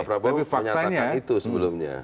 pak prabowo menyatakan itu sebelumnya